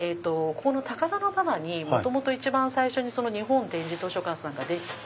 この高田馬場に元々一番最初に日本点字図書館さんができて。